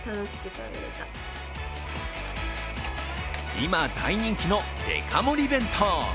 今大人気のデカ盛り弁当。